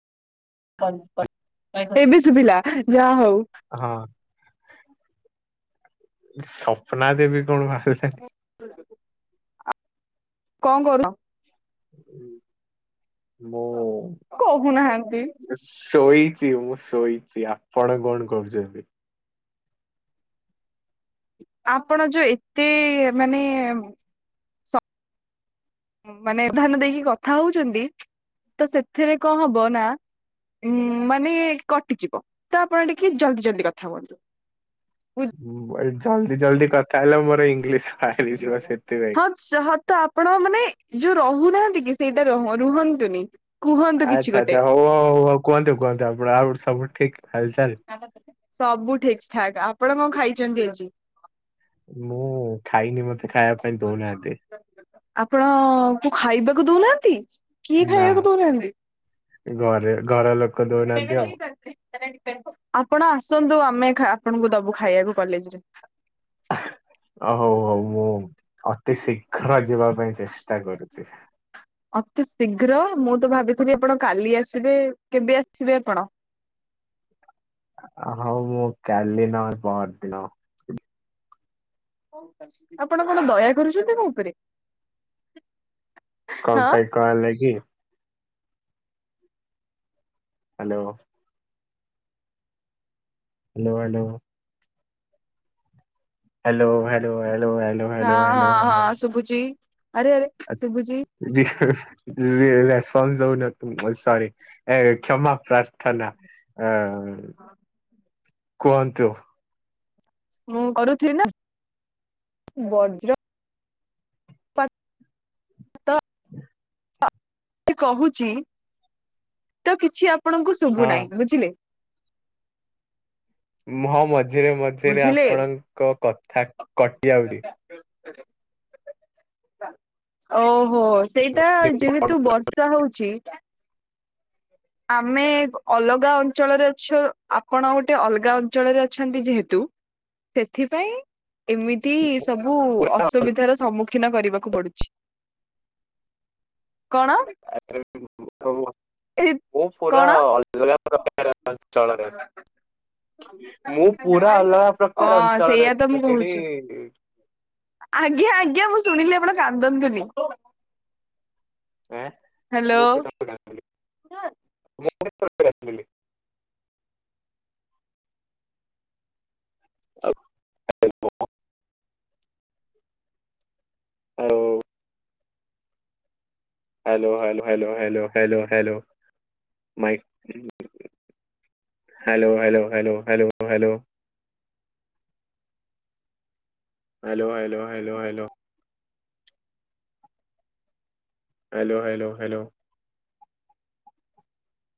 ଏବେବି ଶୁଭିଲା ଯାହା ହଉ। ହଁ ସପ୍ନାଦେବୀ କଣ ବାହାରିଲେଣି। କଁ କରୁଚ। ମୁଁ। କହୁନାହାନ୍ତି ଶୋଇଚି ମୁଁ ଶୋଇଚି ଆପଣ କଣ କରୁଚନ୍ତି। ଆପଣ ଯୋଉ ଏତେ ମାନେ ସ ମାନେ ବ୍ୟବଧାନ ଦେଇକି କଥା ହଉଛନ୍ତି ତ ସେଥିରେ କଣ ହବ ନା। ଉଁ ମାନେ କଟିଯିବ ତ ଆପଣ ଟିକେ ଜଲ୍ଦି ଜଲ୍ଦି କଥାହୁଅନ୍ତୁ। ଉଁ ଜଲ୍ଦି ଜଲ୍ଦି କଥା ହେଲା ମୋର ଇଂଗିଲିଶ୍ ହକ୍। ଚାହଁ। ତ ଆପଣ ମାନେ ଯୋଉ ରହୁନାହାନ୍ତି କି ସେଇଟା ର ରୁହନ୍ତୁନି। କୁହନ୍ତୁ କିଛି ଆଚ୍ଛା ଗୋଟେ। ଆଚ୍ଛା ହଉ ହଉ ହଉ ହଉ କୁହନ୍ତୁ କୁହନ୍ତୁ ଆପଣ ଆଉ ସବୁ ଠିକ୍ ହାଲ୍ ଚାଲ। ସବୁ ଠିକ୍ ଠାକ୍ ଆପଣ କଁ ଖାଇଛନ୍ତି ଆଜି। ମୁଁ ଖାଇନି ମତେ ଖାଇଆ ଆପଣ କୁ ଖାଇବାକୁ ଦଉନାହାନ୍ତି? କିଏ ନା। ଖାାଇବାକୁ ଦୋଉନାନ୍ତି? ଘରେ ଘର ଲୋକ ଦଉନାହାନ୍ତି ଆଉ ଆପଣ ଆସନ୍ତୁ ଆମେ ଖା ଆପଣଙ୍କୁ ଦବୁ ଖାଇବାକୁ କଲେଜରେ? ଅ ହଉ ହଉ ମୁଁ ଅତି ଶୀଘ୍ର ଯିବା ପାଇଁ ଚେଷ୍ଟା କରୁଚି। ଅତି ଶୀଗ୍ର ମୁଁ ତ ଭାବିଥିଲି ଆପଣ କାଲି ଆସିବେ କେବେ ଆସିବେ ଆପଣ? ଆଁ ହଉ ମୁଁ କାଲି ନହେଲେ ପହରିଦିନ ଆପଣ କଣ ଦୟା କରୁଚନ୍ତି ମୋ ଉପରେ? କଣ ହଁ ପାଇଁ କଁ ହେଲା କି? Hello hello hello. Hello hello hello hello. ହଁ ହଁ ହଁ ଶୁଭୁଛି ଆରେ ଆରେ ଆ ଶୁଭୁଛି [unintelligible] ରେସ୍ପନ୍ସ ଦଉନାହାନ୍ତି ସରି ଏ କ୍ଷମା ପ୍ରାର୍ଥନା ଅ। ହଁ। କୁହନ୍ତୁ। ମୁଁ କରୁଥିଲି ନା ବଜ୍ର ପା। କହୁଛି ତ କିଛି ଆପଣଙ୍କୁ ଶୁଭୁ ହଁ ନାହିଁ ବୁଝିଲେ। ମୁଁ ହଁ ମଝିରେ ମଝିରେ ବୁଝିଲେ। ଆପଣଙ୍କ କଥା କଟି ଆଉଛି। [inaudible] ଓହୋ ସେଇଟା ଯେହେତୁ ବର୍ଷା ହଉଛି ଆମେ ଅଲଗା ଅଞ୍ଚଳରେ ଅଛୁ ଆପଣ ଗୋଟେ ଅଲଗା ଅଞ୍ଚଳରେ ଅଛନ୍ତି ଯେହେତୁ ସେଥିପାଇଁ ଏମିତି ସବୁ ପୁରା ଅସୁବିଧାର ସମ୍ମୁଖୀନ କରିବାକୁ ପଡୁଛି। କଣ? [unintelligible] ହଉ ଆଉ ଏ ମୁଁ ପୁରା କଣ ଅଲଗା ପ୍ରକାର ଅଞ୍ଚଳରେ ଅଛି। ମୁଁ ପୁରା ଅଲଗା ଅ ପ୍ରକାର ଅଞ୍ଚଳରେ ସେଇଆ ତ ମୁଁ ଅଛି। କହୁଛି ଆଜ୍ଞା ଆଜ୍ଞା ମୁଁ ଶୁଣିଲି ଆପଣ କାନ୍ଦନ୍ତୁନି। ଆଁ ହ୍ୟାଲୋ। [unintelligible] [inaudible] ଆଉ hello hello hello hello hello hello mic. Hello hello hello hello hello. Hello hello hello hello. Hello hello hello.